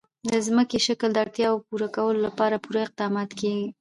د ځمکني شکل د اړتیاوو پوره کولو لپاره پوره اقدامات کېږي.